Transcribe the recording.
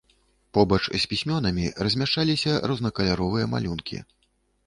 Побач з пісьмёнамі размяшчаліся рознакаляровыя малюнкі.